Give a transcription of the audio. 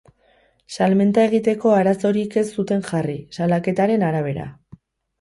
Salmenta egiteko arazorik ez zuten jarri, salaketaren arabera.